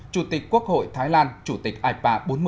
chủ tịch quốc hội thái lan chủ tịch ipa bốn mươi